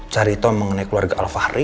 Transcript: cari tahu mengenai keluarga alfahri